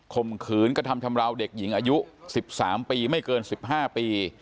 มขืนกระทำชำราวเด็กหญิงอายุ๑๓ปีไม่เกิน๑๕ปี